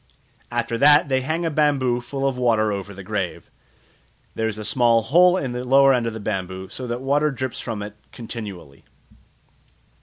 After that they hang a bamboo full of water over the grave; there is a small hole in the lower end of the bamboo, so that the water drips from it continually.